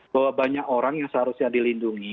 bahwa banyak orang yang seharusnya dilindungi